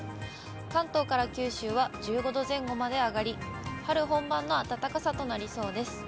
関東から九州は１５度前後まで上がり、春本番の暖かさとなりそうです。